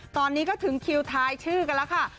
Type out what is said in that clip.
ตอนนี้ก็ถึงคิวทายชื่อกันแล้วค่ะ